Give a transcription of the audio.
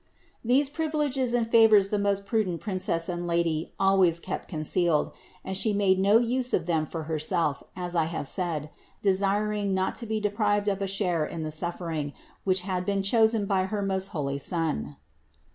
31. These privileges and favors the most prudent Princess and Lady always kept concealed, and She made no use of them for Herself, as I have said, desiring not to be deprived of a share in the suffering, which had been chosen by her most holy Son.